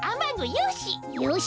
よし！